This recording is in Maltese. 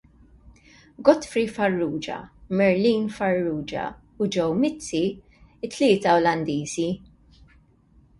Godfrey Farrugia, Marlene Farrugia u Joe Mizzi, it-tlieta Olandiżi.